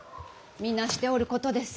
皆しておることです。